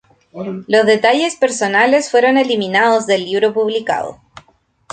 Los detalles personales fueron eliminados del libro publicado.